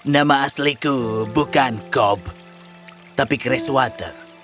nama asliku bukan cob tapi cresswater